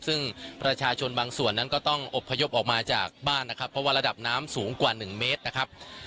ซึ่งประชาชนบางส่วนนั้นก็ต้องอบพยพออกมาจากบ้านนะครับเพราะว่าระดับน้ำสูงกว่า๑เมตรนะครับ